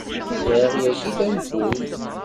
Sɛiɣ yagi tanfult.